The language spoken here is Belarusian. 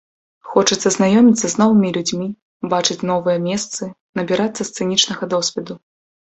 Хочацца знаёміцца з новымі людзьмі, бачыць новыя месцы, набірацца сцэнічнага досведу.